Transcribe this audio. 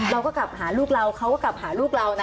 เราก็กลับหาลูกเราเขาก็กลับหาลูกเรานะ